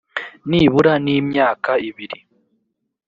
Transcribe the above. nibura n imyaka ibiri